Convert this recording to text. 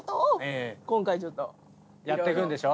やってくんでしょ。